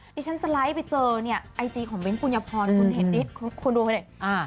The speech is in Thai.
ดิฉันสไลด์ไปเจอเนี้ยไอจีของเบ้นปุญพรคุณเห็นดิคุณดูไหนอ่า